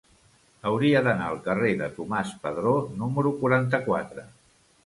Hauria d'anar al carrer de Tomàs Padró número quaranta-quatre.